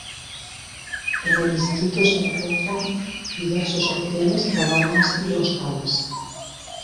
En el distrito se encuentran diversos hoteles, cabañas y hostales.